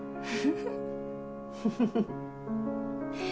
フフフフ。